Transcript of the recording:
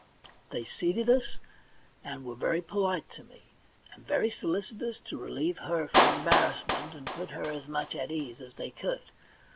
They seated us, and were very polite to me, and very solicitous to relieve her from embarrassment, and put her as much at her ease as they could.